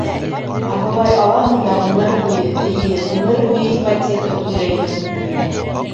Ә былай алаһың да ғүмер буйы, эйе, ғүмер буйы ипотека түләйһең.